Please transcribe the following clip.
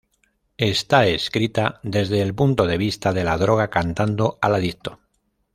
Está escrita desde el punto de vista de la droga cantando al adicto.